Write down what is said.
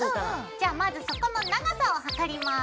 じゃあまずそこの長さをはかります。